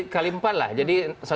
kali empat lah jadi satu lima